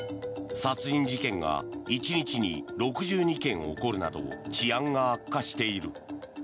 殺人事件が１日に６２件起こるなど治安が悪化している。